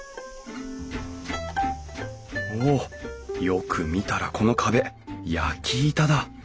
おっよく見たらこの壁焼板だ。